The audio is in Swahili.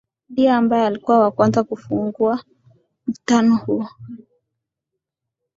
ndiye ambaye alikuwa wa kwanza kufungua mkutano huo